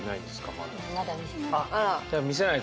まだ見せてない。